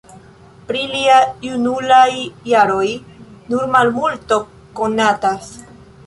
Pri lia junulaj jaroj nur malmulto konatas.